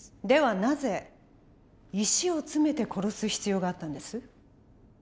ではなぜ石を詰めて殺す必要があったんです？